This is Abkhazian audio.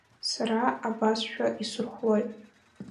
Сара абасшәа исырхәлоит.